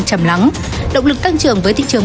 chầm lắng động lực tăng trưởng với thị trường